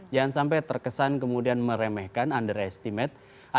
jangan sampai terkesan kemudian meremehkan underestimate